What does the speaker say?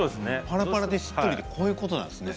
パラパラでしっとりってこういうことなんですね。